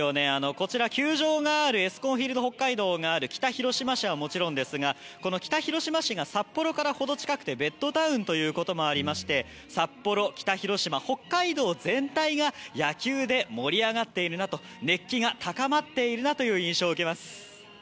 こちらエスコンフィールドＨＯＫＫＡＩＤＯがある北広島市はもちろんですが北広島市が札幌から程近くてベッドタウンということもありまして、札幌、北広島北海道全体が野球で盛り上がっているなと熱気が高まっているなという印象を受けます。